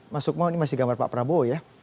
masuk mau ini masih gambar pak prabowo ya